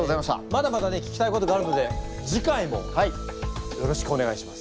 まだまだね聞きたいことがあるので次回もよろしくお願いします。